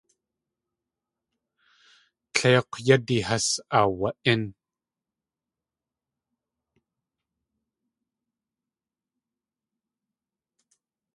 Tléik̲w yádi has aawa.ín.